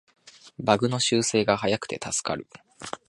バグの修正が早くて助かる